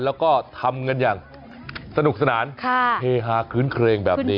แล้วก็ทำกันอย่างสนุกสนานเฮฮาคลื้นเครงแบบนี้